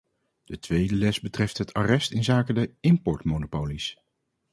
De tweede les betreft het arrest inzake de importmonopolies.